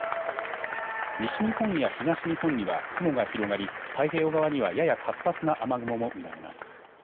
西日本や東日本には雲が広がり太平洋側にはやや活発な雨雲も見られます。